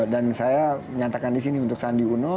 dan saya menyatakan di sini untuk sandi ula